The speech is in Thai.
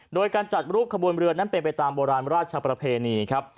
โดยการจัดรูปขบวนเรือนั้นเป็นไปตามโบราณราชประเพณีครับ